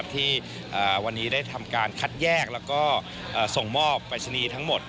ที่วันนี้ได้ทำการคัดแยกและส่งหมอบไปรษณีย์ทั้งหมด